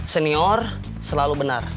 senior selalu benar